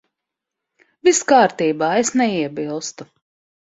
Viss kārtībā. Es neiebilstu.